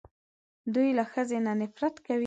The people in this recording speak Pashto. دوی له ښځې نه نفرت کوي